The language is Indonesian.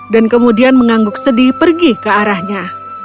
dan kemudian mengangguk sedih pergi ke arahnya